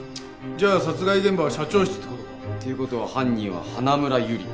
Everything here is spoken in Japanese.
じゃあ殺害現場は社長室って事か？という事は犯人は花村友梨。